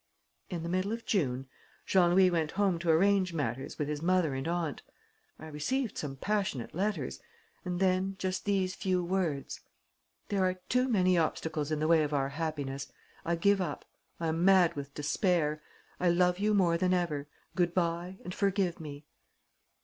In the middle of June, Jean Louis went home to arrange matters with his mother and aunt. I received some passionate letters; and then just these few words: 'There are too many obstacles in the way of our happiness. I give up. I am mad with despair. I love you more than ever. Good bye and forgive me.'